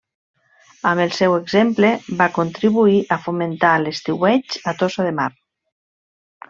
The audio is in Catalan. Amb el seu exemple, va contribuir a fomentar l’estiueig a Tossa de Mar.